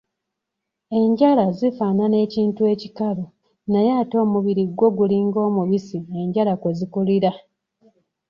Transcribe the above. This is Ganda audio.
Enjala zifaanana ekintu ekikalu, naye ate omubiri gwo gulinga omubisi enjala kwe zikulira.